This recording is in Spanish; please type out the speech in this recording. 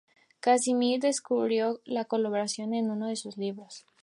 Casimir describió su colaboración en uno de sus libros.